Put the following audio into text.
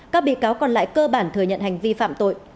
các bị cáo còn lại cơ bản thừa nhận hành vi phạm tội